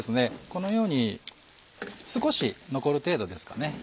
このように少し残る程度ですかね。